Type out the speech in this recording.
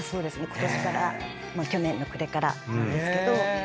ことしからまあ去年の暮れからなんですけど。